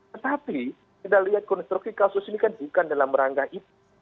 tetapi kita lihat konstruksi kasus ini kan bukan dalam rangka itu